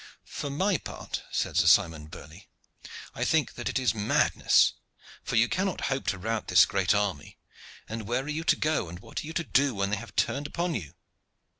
"For my part," said Sir Simon Burley, "I think that it is madness, for you cannot hope to rout this great army; and where are you to go and what are you to do when they have turned upon you?